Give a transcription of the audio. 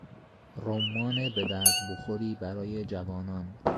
رمان به درد خوری برای جوانان